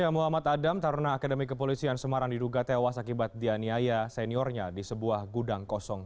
muhammad adam taruna akademi kepolisian semarang diduga tewas akibat dianiaya seniornya di sebuah gudang kosong